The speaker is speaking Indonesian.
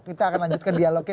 kita akan lanjutkan dialognya